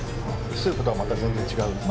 スープとはまた全然違いますね。